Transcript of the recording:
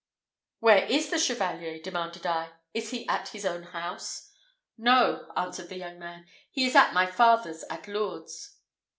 "Where is the Chevalier?" demanded I. "Is he at his own house?" "No," answered the young man; "he is at my father's, at Lourdes."